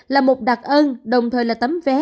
là một đặc ân đồng thời là tấm vé